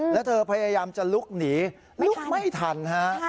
แล้วเธอพยายามจะลุกหนีลุกไม่ทันฮะ